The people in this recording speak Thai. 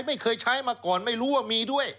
ไม่เคยใช้มาก่อนไม่รู้ว่ามีด้วย